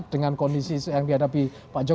dengan kondisi yang dihadapi pak jokowi